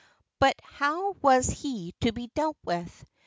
But how was he to be dealt with?